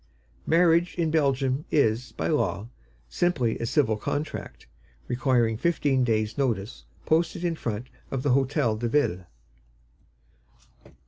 Marriage in Belgium is, by law, simply a civil contract, requiring fifteen days' notice posted in front of the Hôtel de Ville.